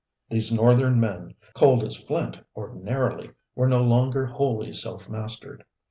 These northern men, cold as flint ordinarily, were no longer wholly self mastered.